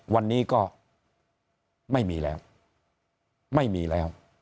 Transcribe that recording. วันนี้ก็ไม่มีแล้วไม่มีแล้ว